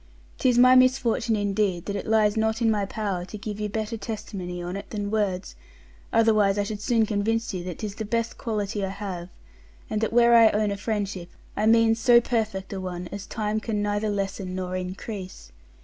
'Tis my misfortune indeed that it lies not in my power to give you better testimony on't than words, otherwise I should soon convince you that 'tis the best quality I have, and that where I own a friendship, I mean so perfect a one, as time can neither lessen nor increase.